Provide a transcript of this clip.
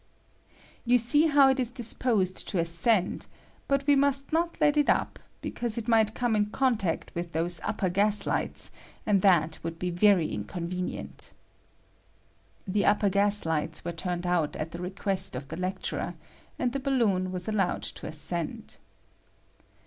] You see how it is disposed to ascend ; but we must not let 'it up, because it might come in contact with those upper gas lights, and that would be very inconvenient. [The upper gas lights were turned out at the request of the lecturer, and the balloon was allowed to ascend.